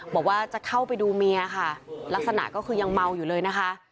บอกว่าจะเข้าไปดูเมียค่ะลักษณะก็คือยังเมาอยู่เลยนะคะ